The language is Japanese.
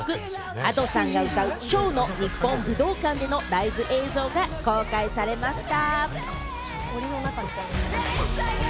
Ａｄｏさんが歌う『唱』の日本武道館でのライブ映像が公開されました。